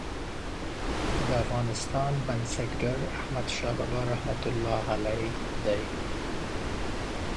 د افغانستان بنسټګر احمدشاه بابا رحمة الله علیه دی.